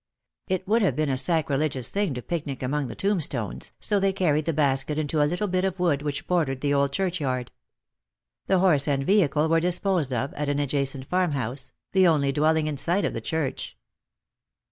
It would have been a sacrilegious thing to picnic among tombstones, so they carried the basket into a little bit of wood which bordered the old churchyard. The horse and vehicle were disposed of at an adjacent farmhouse — the only dwelling in sight of the church.